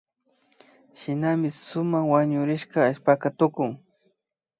Shinami sumak wanurishka allpaka tukun